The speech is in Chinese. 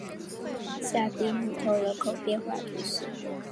香槟穆通人口变化图示